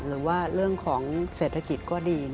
หรือว่าเรื่องของเศรษฐกิจก็ดี